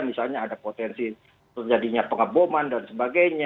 misalnya ada potensi terjadinya pengeboman dan sebagainya